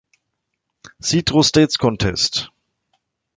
Citrus States Contest".